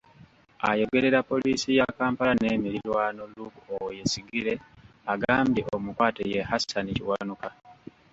Ayogerera Poliisi ya Kampala n'emirirwano Luke Owoyesigyire agambye omukwate ye Hassan Kiwanuka.